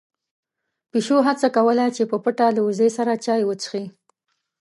پيشو هڅه کوله چې په پټه له وزې سره چای وڅښي.